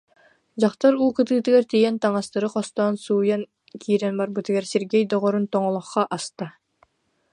Дьахтар уу кытыытыгар тиийэн таҥастары хостоон, сууйан киирэн барбытыгар Сергей доҕорун тоҥолоххо аста: